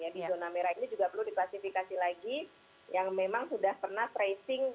di zona merah ini juga perlu diklasifikasi lagi yang memang sudah pernah tracing